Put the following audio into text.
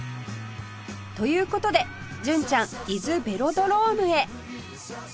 という事で純ちゃん伊豆ベロドロームへ